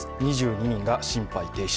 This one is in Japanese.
２２人が心肺停止。